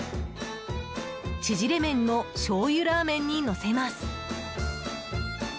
ちぢれ麺のしょうゆラーメンにのせます。